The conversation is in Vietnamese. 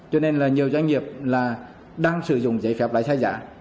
cho nên là nhiều doanh nghiệp là đang sử dụng giấy phép lái xe giả